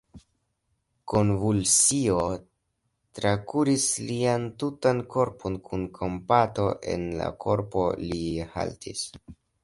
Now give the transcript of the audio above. Konvulsio trakuris lian tutan korpon: kun kompato en la koro, li haltis.